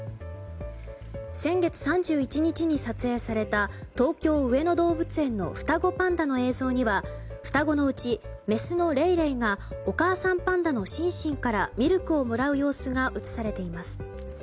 先月３１日に撮影された東京・上野動物園の双子パンダの映像には双子のうち、メスのレイレイがお母さんパンダのシンシンからミルクをもらう様子が映されています。